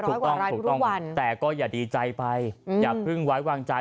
ร้อยกว่ารายทุกทุกวันแต่ก็อย่าดีใจไปอืมอย่าเพิ่งไว้วางใจ